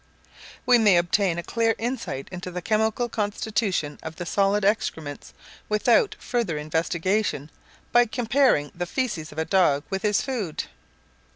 We may obtain a clear insight into the chemical constitution of the solid excrements without further investigation, by comparing the faeces of a dog with his food.